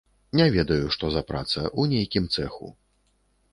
Не ведаю, што за праца, у нейкім цэху.